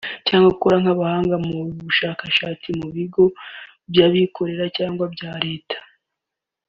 cyangwa gukora nk’abahanga mu bushakashatsi mu bigo by’abikorera cyangwa ibya Leta